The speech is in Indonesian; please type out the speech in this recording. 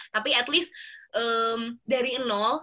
tapi at least dari nol